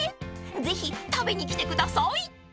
［ぜひ食べに来てください！］